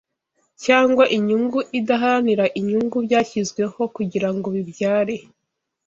cyangwa inyungu idaharanira inyungu byashyizweho kugirango bibyare